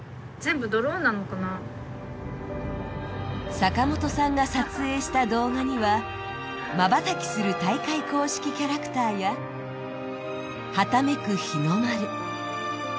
坂元さんが撮影した動画にはまばたきする大会公式キャラクターや、はためく日の丸。